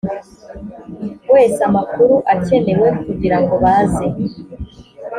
wese amakuru akenewe kugira ngo baze